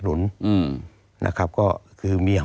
ตั้งแต่ปี๒๕๓๙๒๕๔๘